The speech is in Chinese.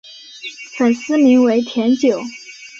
粉丝名为甜酒。